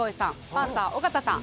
パンサー・尾形さん